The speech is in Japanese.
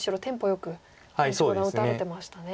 よく大西五段打たれてましたね。